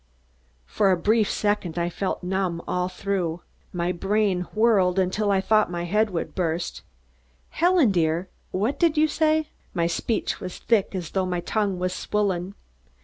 For a brief second I felt numb all through. My brain whirled until I thought my head would burst. "Helen, dear, what did you say?" My speech was thick, as though my tongue was swollen.